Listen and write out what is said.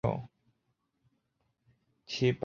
做出错误的决定